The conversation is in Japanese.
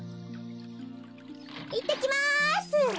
いってきます！